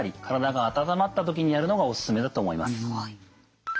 体が温まった時にやるのがお勧めだと思います。